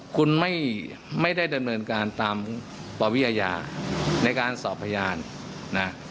คุณไม่ได้ดำเนินการตามปวิอาญาในการสอบพยานนะ